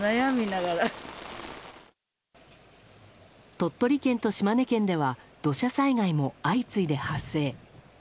鳥取県と島根県では土砂災害も相次いで発生。